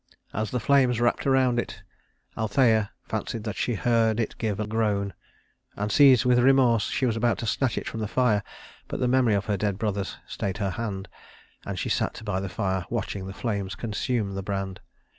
As the flames wrapped around it, Althæa fancied that she heard it give a groan and, seized with remorse, she was about to snatch it from the fire, but the memory of her dead brothers stayed her hand, and she sat by the fire watching the flames consume the brand.